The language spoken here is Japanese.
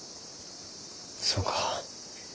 そうか。